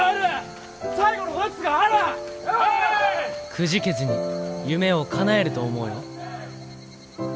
「くじけずに夢をかなえると思うよ」。